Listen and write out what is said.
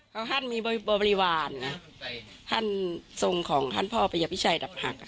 ท่านมีบริวารนะท่านทรงของท่านพ่อประยพิชัยดับหัก